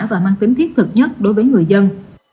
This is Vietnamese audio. và mang tính thiết thực nhất đối với người dân